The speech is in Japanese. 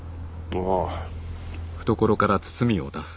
ああ。